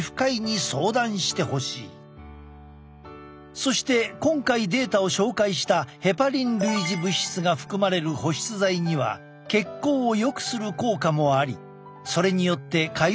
そして今回データを紹介したヘパリン類似物質が含まれる保湿剤には血行をよくする効果もありそれによってかゆみが生じることがある。